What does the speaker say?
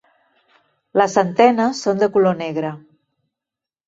Les antenes són de color negre.